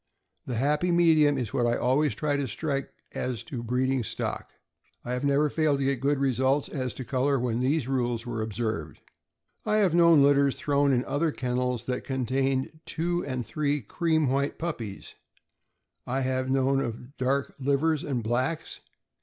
The happy medium is what I always try to strike as to breed ing stock. I have never failed to get good results as to color when these rules were observed. I have known litters thrown in other kennels that con tained two and three cream white puppies; I have known of dark livers and blacks.